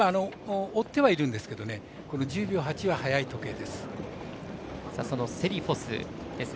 追ってはいるんですけど１０秒８は早いタイムです。